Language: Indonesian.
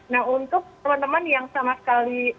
nah untuk teman teman yang sama sekali